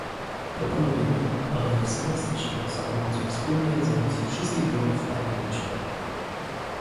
Proponujemy, aby wzmocnić to za pomocą wspólnej rezolucji wszystkich grup w Parlamencie